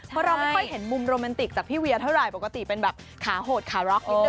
เพราะเราไม่ค่อยเห็นมุมโรแมนติกจากพี่เวียเท่าไหร่ปกติเป็นแบบขาโหดขาร็อก